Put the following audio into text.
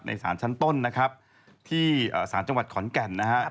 ในสารชั้นต้นที่สารจังหวัดขอนแก่นนะครับ